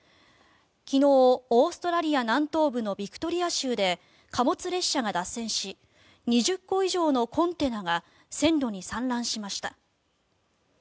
昨日、オーストラリア南東部のビクトリア州で貨物列車が脱線し２０個以上のコンテナが線路に散乱しました。